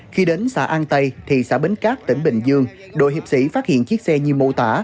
khi đến xã an tây thị xã bến cát tỉnh bình dương đội hiệp sĩ phát hiện chiếc xe như mô tả